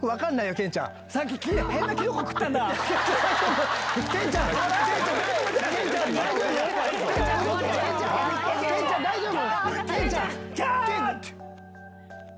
健ちゃん大丈夫？」。